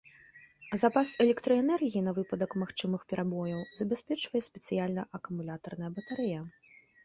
Запас электраэнергіі на выпадак магчымых перабояў забяспечвае спецыяльная акумулятарная батарэя.